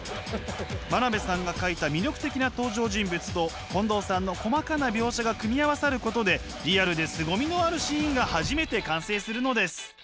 真鍋さんが描いた魅力的な登場人物と近藤さんの細かな描写が組み合わさることでリアルですごみのあるシーンが初めて完成するのです。